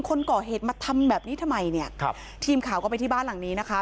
คนก่อเหตุมาทำแบบนี้ทำไมเนี่ยครับทีมข่าวก็ไปที่บ้านหลังนี้นะคะ